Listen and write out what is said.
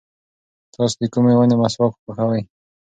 تاسو د کومې ونې مسواک خوښوئ؟